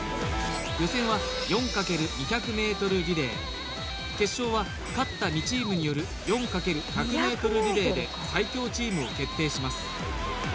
予選は４×２００ｍリレー決勝は勝った２チームによる４×１００ｍリレーで最強チームを決定します